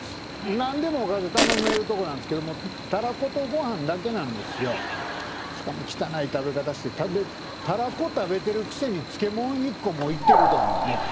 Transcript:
何でもおかず頼めるとこなんですけどもタラコとご飯だけなんですよしかも汚い食べ方してタラコ食べてるくせに漬物１個もいってるというね